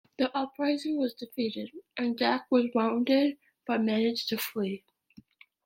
The uprising was defeated, and Dacke was wounded but managed to flee.